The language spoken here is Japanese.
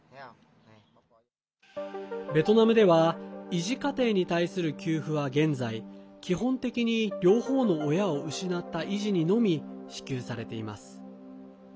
ベトナムでは、遺児家庭に対する給付は現在、基本的に両方の親を失った遺児にのみ支給されています。